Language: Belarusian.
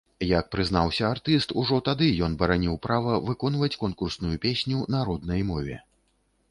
Як прызнаўся артыст, ужо тады ён бараніў права выконваць конкурсную песню на роднай мове.